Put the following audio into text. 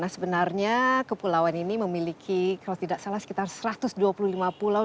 nah sebenarnya kepulauan ini memiliki kalau tidak salah sekitar satu ratus dua puluh lima pulau